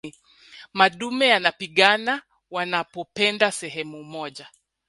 madume yanapigana wanapopenda sehemu moja